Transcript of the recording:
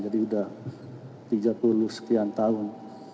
jadi sudah tiga puluh sekian tahun